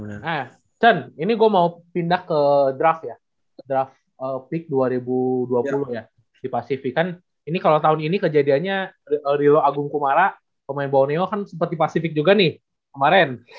nah cen ini gue mau pindah ke draft ya draft peak dua ribu dua puluh ya di pasifik kan ini kalau tahun ini kejadiannya di lo agung kumara pemain boneo kan sempat di pasifik juga nih kemarin